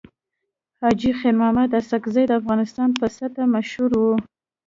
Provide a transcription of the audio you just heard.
حاجي خير محمد اسحق زی د افغانستان په سطحه مشر وو.